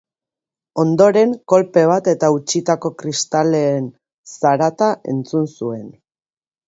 Ondoren, kolpe bat eta hautsitako kristalen zarata entzun zuen.